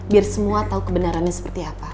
biar semua tahu kebenarannya seperti apa